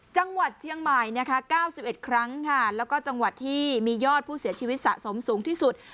จังหวัดเชียงใหม่นะคะ๙๑ครั้งค่ะแล้วก็จังหวัดที่มียอดผู้เสียชีวิตสะสมสูงที่สุด